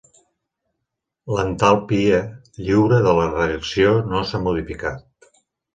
L'entalpia lliure de la reacció no s'ha modificat.